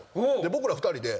僕ら２人で。